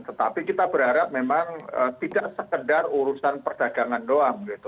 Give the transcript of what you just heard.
tetapi kita berharap memang tidak sekedar urusan perdagangan doang gitu